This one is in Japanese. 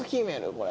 これ。